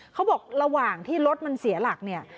เขาบอกระหว่างที่รถมันเสียหลักเนี่ย